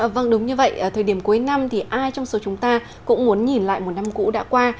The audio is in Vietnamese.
vâng đúng như vậy thời điểm cuối năm thì ai trong số chúng ta cũng muốn nhìn lại một năm cũ đã qua